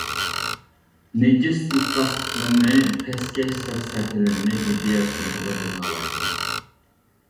نىجىس ئىپلاسلىقلىرىنى، پەسكەش سەپسەتىلىرىنى ئىدىيە سوتىدا جازالايدۇ.